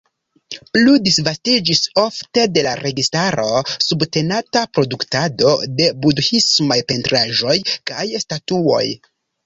Plu disvastiĝis ofte de la registaro subtenata produktado de budhismaj pentraĵoj kaj statuoj.